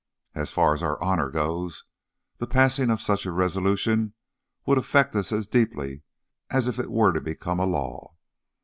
As far as our honour goes, the passing of such a resolution would affect us as deeply as if it were to become a law.